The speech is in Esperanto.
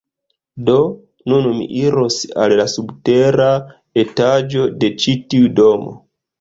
Do, nun mi iros al la subtera etaĝo de ĉi tiu domo